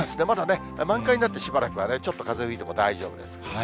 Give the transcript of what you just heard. まだね、満開になってしばらくは、ちょっと風が吹いても大丈夫です。